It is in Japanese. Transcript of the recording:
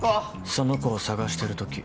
その子を捜してるとき。